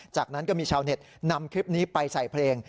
จากนั้นก็มีชาวเน็ตนำคลิปนี้ไปใส่เพลง